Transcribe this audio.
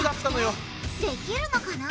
逆転できるのかな？